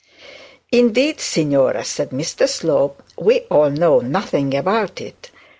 'Indeed, signora,' said Mr Slope, 'we all know nothing about it.